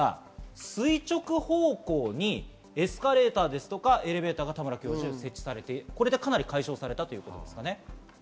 垂直方向にエスカレーターとかエレベーターが設置されて、かなり解消されたということですね。